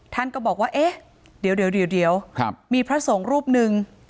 ท่านก็บอกว่าเอ๊ะเดี๋ยวมีพระสงฆ์รูปหนึ่ง